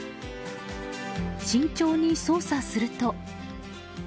慎重に操作すると。